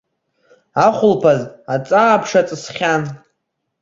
Ахәылԥаз аҵаа-ԥша ҵысхьан.